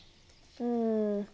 うん。